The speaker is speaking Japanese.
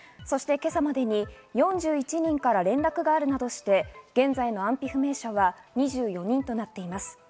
今朝までに４１人から連絡があるなどして現在の安否不明者は２４人となっています。